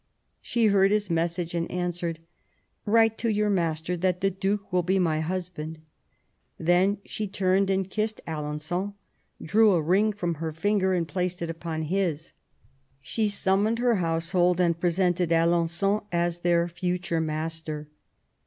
She heard his message and answered :" Write to your master that the Duke will be my husband". Then she turned and kissed Alengon, drew a ring from her finger and placed it upon his. She summoned her household and presented Alen9on as their future master.